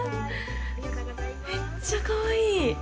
めっちゃかわいい。